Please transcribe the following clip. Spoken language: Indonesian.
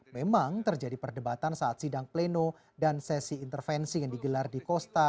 memang terjadi perdebatan saat sidang pleno dan sesi intervensi yang digelar di kosta